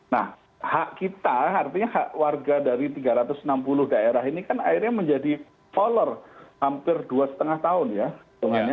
nah hak kita artinya hak warga dari tiga ratus enam puluh daerah ini kan akhirnya menjadi follor hampir dua lima tahun ya hitungannya